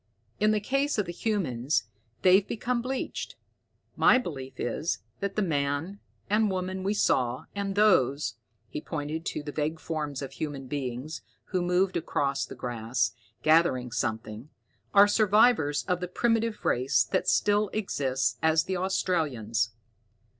In the case of the humans, they've become bleached. My belief is that that man and woman we saw, and those" he pointed to the vague forms of human beings, who moved across the grass, gathering something "are survivors of the primitive race that still exists as the Australians.